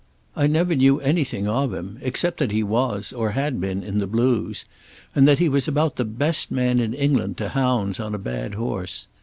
I never knew anything of him except that he was, or had been, in the Blues, and that he was about the best man in England to hounds on a bad horse.